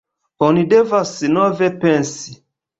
Oni devas nove pensi.